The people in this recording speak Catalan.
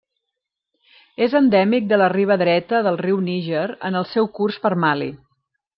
És endèmic de la riba dreta del riu Níger en el seu curs per Mali.